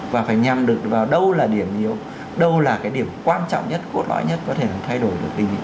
và phải nhằm được vào đâu là điểm yếu đâu là cái điểm quan trọng nhất cốt lõi nhất có thể là thay đổi được tình hình